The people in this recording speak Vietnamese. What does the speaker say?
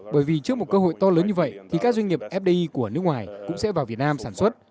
bởi vì trước một cơ hội to lớn như vậy thì các doanh nghiệp fdi của nước ngoài cũng sẽ vào việt nam sản xuất